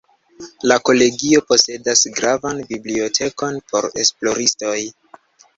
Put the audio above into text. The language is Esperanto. La Kolegio posedas gravan bibliotekon por esploristoj.